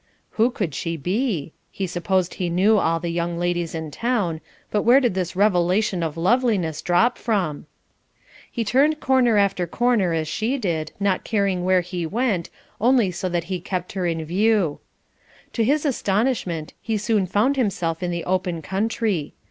"Who could she be? He supposed he knew all the young ladies in town, but where did this revelation of loveliness drop from?" He turned corner after corner as she did, not caring where he went, only so that he kept her in view. To his astonishment he soon found himself in the open country.